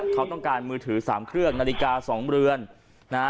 เขาต้องการมือถือ๓เครื่องนาฬิกา๒เรือนนะฮะ